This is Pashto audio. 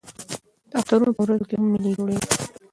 د اخترونو په ورځو کښي هم مېلې جوړېږي.